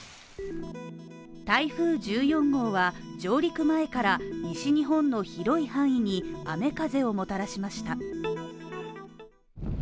台風１４号は上陸前から西日本の広い範囲に雨・風をもたらしました。